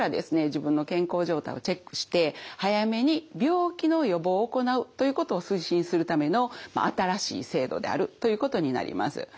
自分の健康状態をチェックして早めに病気の予防を行うということを推進するための新しい制度であるということになります。